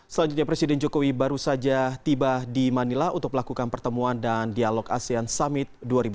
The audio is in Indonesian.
selanjutnya presiden jokowi baru saja tiba di manila untuk melakukan pertemuan dan dialog asean summit dua ribu dua puluh